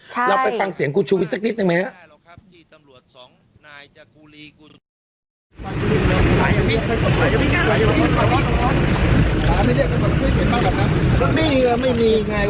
แล้วไปฟังเสียงกุชุมิสักนิดนึงไหม